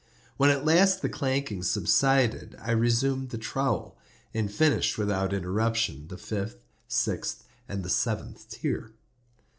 When at last the clanking subsided, I resumed the trowel, and finished without interruption the fifth, the sixth, and the seventh tier.